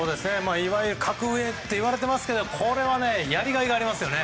いわゆる格上といわれていますけどこれはやりがいがありますよね。